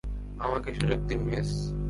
আমাকে সুযোগ দিন, মিস।